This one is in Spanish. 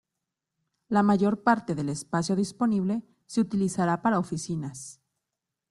La mayor parte del espacio disponible se utilizará para oficinas.